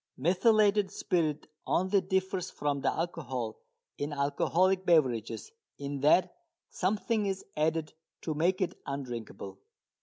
Methylated spirit only differs from the alcohol in alcoholic beverages in that something is added to make it undrinkable.